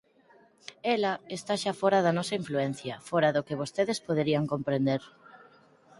Ela está xa fóra da nosa influencia, fóra do que vostedes poderían comprender...